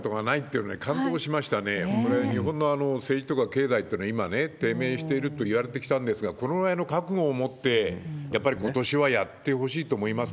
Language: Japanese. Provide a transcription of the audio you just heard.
これは日本の政治とか経済というのは、今ね、低迷しているといわれてきたんですが、これぐらいの覚悟を持って、やっぱりことしはやってほしいと思いますね。